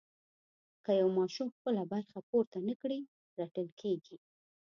که یو ماشوم خپله برخه پوره نه کړي رټل کېږي.